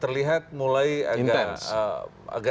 terlihat mulai agak